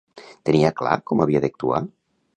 Tenia clar com havia d'actuar?